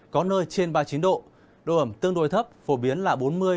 có nơi trên ba mươi chín độ độ ẩm tương đối thấp phổ biến là bốn mươi sáu mươi năm